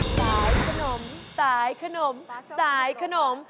สายขนมสายขนมสายขนม